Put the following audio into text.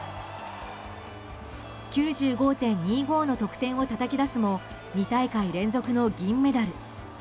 ９５．２５の得点をたたき出すも２大会連続の銀メダル。